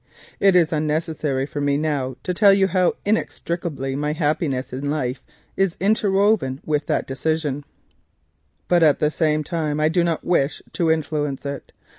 It is unnecessary for me to tell you how inextricably my happiness in life is interwoven with that decision, but at the same time I do not wish to influence it.